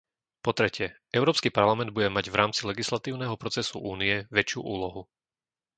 Po tretie, Európsky parlament bude mať v rámci legislatívneho procesu Únie väčšiu úlohu.